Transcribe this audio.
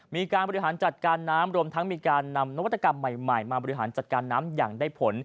มีการบริหารจัดการน้ำรวมทั้งมีการนำนวัตกรรมใหม่มาบริหารจัดการน้ำอย่างได้ผล